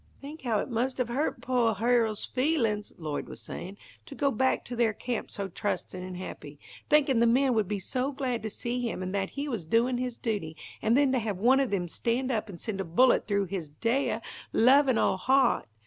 "Think how it must have hurt poah Hero's feelin's," Lloyd was saying, "to go back to their camp so trustin' and happy, thinkin' the men would be so glad to see him, and that he was doin' his duty, and then to have one of them stand up and send a bullet through his deah, lovin' old heart.